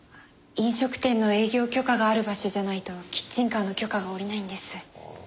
飲食店の営業許可がある場所じゃないとキッチンカーの許可が下りないんです。